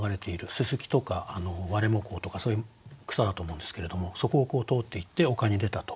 ススキとかワレモコウとかそういう草だと思うんですけどもそこを通っていって丘に出たと。